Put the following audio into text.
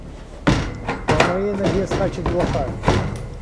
По моей ноге скачет блоха.